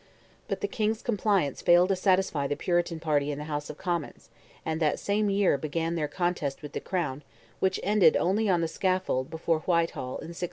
But the King's compliance failed to satisfy the Puritan party in the House of Commons, and that same year began their contest with the Crown, which ended only on the scaffold before Whitehall in 1648.